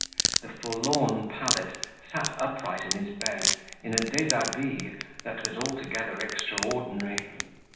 The forlorn Pallet sat upright in his bed in a deshabille that was altogether extraordinary.